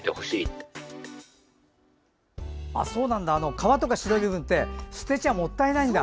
皮とか白い部分って捨てちゃもったいないんだ。